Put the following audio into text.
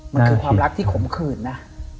มันคือความรักที่ขมขื่นนะ